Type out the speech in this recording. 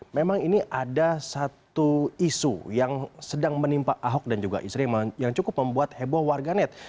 memang ini ada satu isu yang sedang menimpa ahok dan juga istri yang cukup membuat heboh warganet